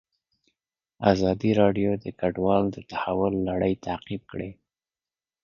ازادي راډیو د کډوال د تحول لړۍ تعقیب کړې.